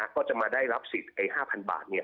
ก็จะมาได้รับสิทธิ์๕๐๐บาท